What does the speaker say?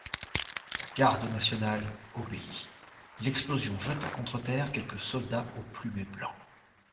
La garde nationale obéit: l'explosion jeta contre terre quelques soldats au plumet blanc.